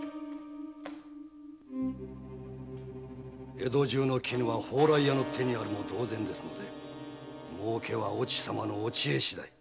江戸中の絹は蓬莱屋の手にあるも同然ですので儲けは越智様のお知恵しだい。